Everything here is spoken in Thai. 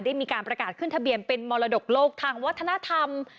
มีการประกาศขึ้นทะเบียนเป็นมรดกโลกทางวัฒนธรรม